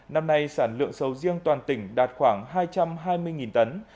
năm nay sản lượng sầu riêng toàn tỉnh đạt khoảng hai trăm hai mươi tấn